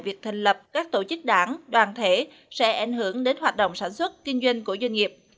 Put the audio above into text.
việc thành lập các tổ chức đảng đoàn thể sẽ ảnh hưởng đến hoạt động sản xuất kinh doanh của doanh nghiệp